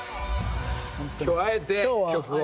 今日あえて曲を。